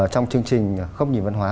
trong chương trình khóc nhìn văn hóa